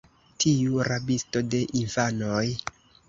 tiu rabisto de infanoj!